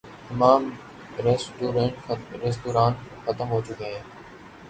تمام ریستوران ختم ہو چکے ہیں۔